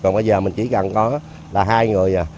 còn bây giờ mình chỉ cần có là hai người